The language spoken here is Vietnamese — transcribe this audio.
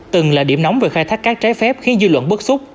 từng là điểm nóng về khai thác cát trái phép khiến dư luận bức xúc